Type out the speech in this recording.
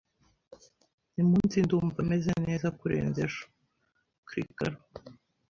Uyu munsi ndumva meze neza kurenza ejo. (Chrikaru)